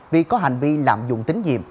vì có hành vi lạm dụng tính nhiệm